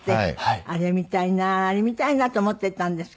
あれ見たいなあれ見たいなって思ってたんですけど